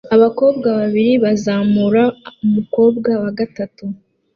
Abakobwa babiri bazamura umukobwa wa gatatu